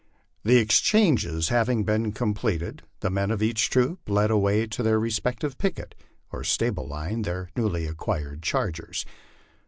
The exchanges having been completed, the men of each troop led away to their respective picket or stable lines their newly acquired chargers.